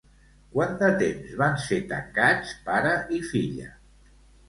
Quant de temps van ser tancats pare i filla?